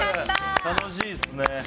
楽しいですね。